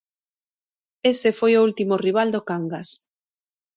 Ese foi o último rival do Cangas.